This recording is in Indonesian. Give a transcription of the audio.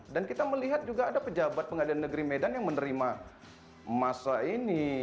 dan kita melihat juga ada pejabat pengadilan negeri medan yang menerima massa ini